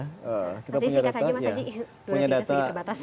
mas sijika saja mas sajik dua resiko terbatas